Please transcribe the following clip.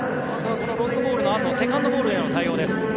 このロングボールのあとセカンドボールへの対応です。